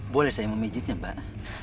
boleh saya memijitnya mbak